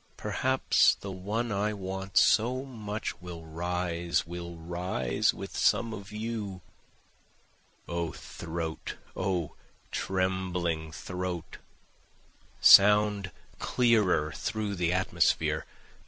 Perhaps the one I want so much will rise, will rise with some of you. O throat! O trembling throat! Sound clearer through the atmosphere!